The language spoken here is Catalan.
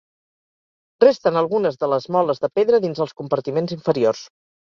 Resten algunes de les moles de pedra dins els compartiments inferiors.